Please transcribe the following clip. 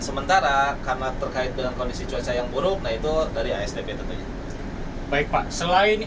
sementara karena terkait dengan kondisi cuaca yang buruk nah itu dari asdp tentunya baik pak selain